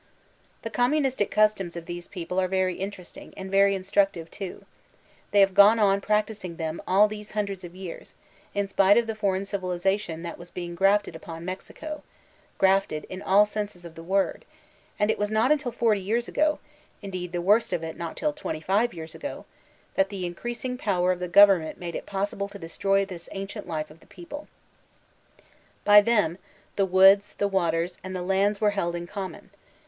The communistic customs of these people are very in teresting, and very instructive too; they have gone on practising them all these hundreds of years, in spite of the foreign civilization that was being grafted upon Mex ico (grafted in all senses of the word) ; and it was not until forty years ago (indeed the worst of it not till twenty five years ago), that the increasing power of the government made it possible to destroy this ancient life of the people. By them, the woods, the waters, and the lands were held in common.